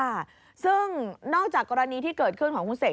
ค่ะซึ่งนอกจากกรณีที่เกิดขึ้นของคุณเสก